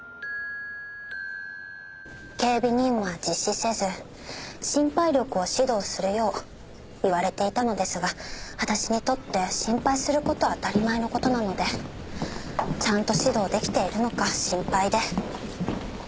警備任務は実施せず心配力を指導するよう言われていたのですが私にとって心配する事は当たり前の事なのでちゃんと指導できているのか心配で。